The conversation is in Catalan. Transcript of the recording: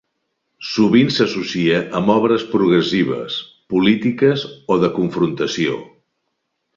Sovint s'associa amb obres progressives, polítiques o de confrontació.